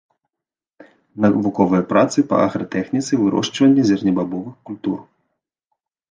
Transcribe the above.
Навуковыя працы па агратэхніцы вырошчвання зернебабовых культур.